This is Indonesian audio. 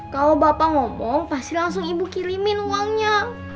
kalau bapak ngomong pasti langsung ibu kirimin uangnya